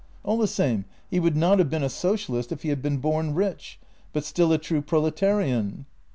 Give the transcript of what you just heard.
" All the same he would not have been a socialist if he had been born rich — but still a true proletarian."